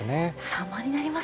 様になりますね。